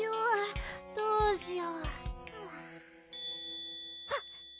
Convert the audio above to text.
はっ！